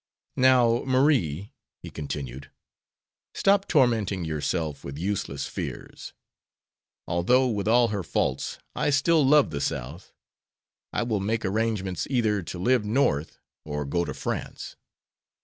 "Now, Marie," he continued, "stop tormenting yourself with useless fears. Although, with all her faults, I still love the South, I will make arrangements either to live North or go to France.